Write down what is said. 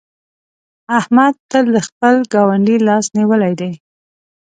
احمد تل د خپل ګاونډي لاس نيولی دی.